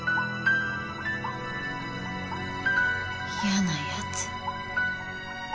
嫌なやつ。